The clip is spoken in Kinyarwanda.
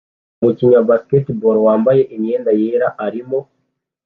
Umukinnyi wa basketball wambaye imyenda yera arimo